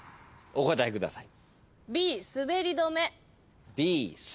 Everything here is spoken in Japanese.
お答えください。